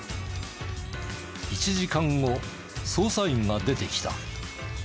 １時間後捜査員が出てきた。